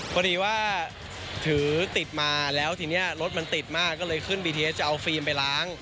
พอดีว่าถือติดมาแล้วทีนี้รถมันติดมากก็เลยขึ้นบีทีเอสจะเอาฟิล์มไปล้าง